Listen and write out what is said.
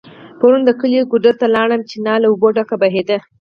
پرون د کلي ګودر ته لاړم .چينه له اوبو ډکه بهيده